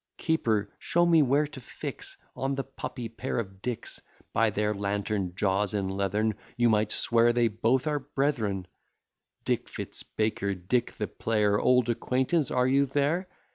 Keeper, show me where to fix On the puppy pair of Dicks: By their lantern jaws and leathern, You might swear they both are brethren: Dick Fitzbaker, Dick the player, Old acquaintance, are you there?